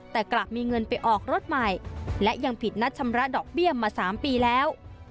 แต่กลับมีเงินไปออกรถใหม่และยังผิดนัดชำระดอกเบี้ยมา๓ปีแล้ว